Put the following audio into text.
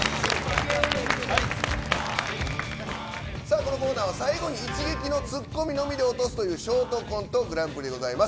このコーナーは最後にＩＣＨＩＧＥＫＩのツッコミのみで落とすというショートコントグランプリでございます。